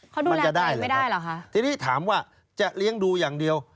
เขาดูแลใครไม่ได้เหรอคะทีนี้ถามว่าจะเลี้ยงดูอย่างเดียว